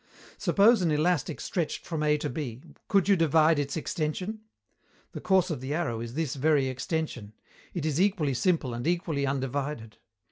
Suppose an elastic stretched from A to B, could you divide its extension? The course of the arrow is this very extension; it is equally simple and equally undivided.